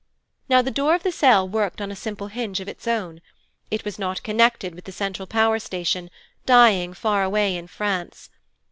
Now the door of the cell worked on a simple hinge of its own. It was not connected with the central power station, dying far away in France.